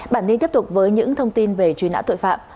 bản tin tiếp tục với những thông tin về truy nã tội phạm